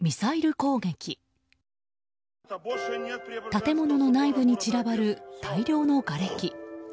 建物の内部に散らばる大量のがれき。